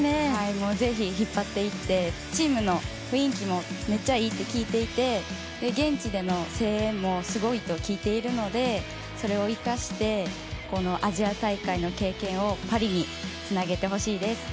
もうぜひ引っ張っていってチームの雰囲気もめっちゃいいって聞いていて現地での声援もすごいと聞いているのでそれを生かして、このアジア大会の経験をパリにつなげてほしいです。